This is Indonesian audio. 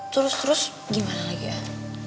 terus terus gimana lagi ya